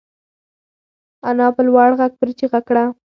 انا په لوړ غږ پرې چیغه کړه.